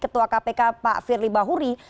ketua kpk pak firly bahuri